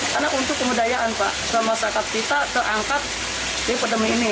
karena untuk kemudayaan pak sama sakat kita terangkat di petemun ini